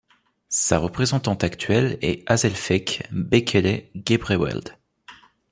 Sa représentante actuelle est Aselefech Bekele Gebreweld.